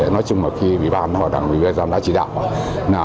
nói chung là khi bị ban hoặc là bị ban giám đạo chỉ đạo